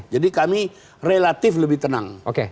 jadi kami relatif lebih tenang